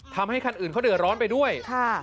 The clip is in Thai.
ทำให้คันอื่นเขาเดือดร้อนไปด้วย